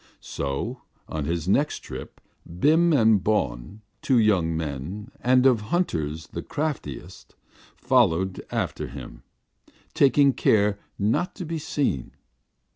So, on his next trip, Bim and Bawn, two young men, and of hunters the craftiest, followed after him, taking care not to be seen.